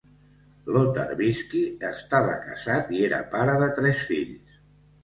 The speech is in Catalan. Lothar Bisky estava casat i era pare de tres fills.